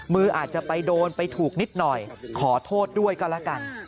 มืออาจจะไปโดนไปถูกนิดหน่อยขอโทษด้วยก็แล้วกัน